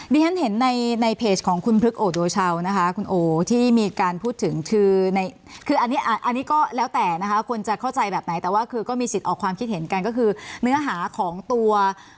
ที่ฉันเห็นในเพจของคุณพลึกโอโดชาวนะคะคุณโอที่มีการพูดถึงคือในคืออันนี้อันนี้ก็แล้วแต่นะคะควรจะเข้าใจแบบไหนแต่ว่าคือก็มีสิทธิ์ออกความคิดเห็นกันก็คือเนื้อหาของตัว